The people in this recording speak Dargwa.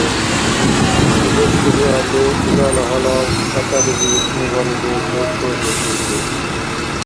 Дудешли биалли, илала гьалав хатӀализи викни балули, бекӀ къухӀбуцилри.